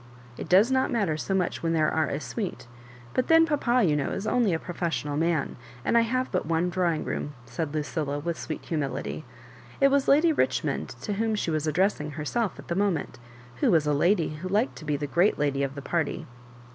It does not matter so much when there are a mite ; but then papa, you know, is only a professional man, and I have but one drawing room," said Lucilla, with sweet humility. It was Lady Richmond to whom she was addressing herself at the moment, who was a lady who liked to be the great lady of the party.